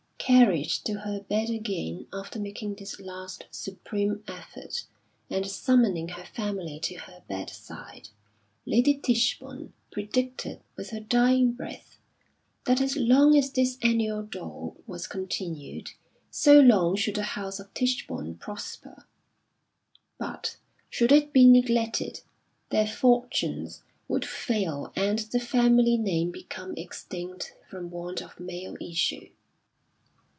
Carried to her bed again after making this last supreme effort and summoning her family to her bedside, Lady Ticheborne predicted with her dying breath, that, as long as this annual dole was continued, so long should the house of Tichborne prosper; but, should it be neglected, their fortunes would fail and the family name become extinct from want of male issue.